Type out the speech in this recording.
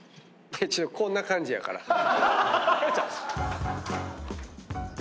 こんな感じやから。